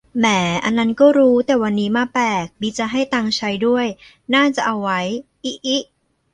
แหม อันนั้นก็รู้ แต่วันนี้มาแปลก มีจะให้ตังค์ใช้ด้วย น่าจะเอาไว้ อิอิ